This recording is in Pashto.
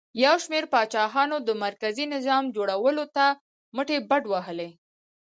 یو شمېر پاچاهانو د مرکزي نظام جوړولو ته مټې بډ وهلې